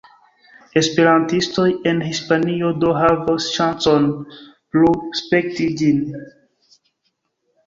Esperantistoj en Hispanio do havos ŝancon plu spekti ĝin.